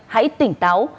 hãy tỉnh táo